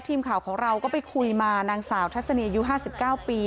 ทีมข่าวของเราก็ไปคุยมานางสาวชัศนีอายุห้าสิบเก้าปี